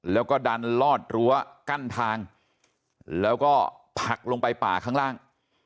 แล้วก็ดันลอดรั้วกั้นทางแล้วก็ผลักลงไปป่าข้างล่าง